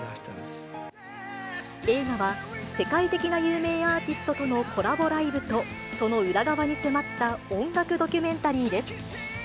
映画は、世界的な有名アーティストとのコラボライブと、その裏側に迫った、音楽ドキュメンタリーです。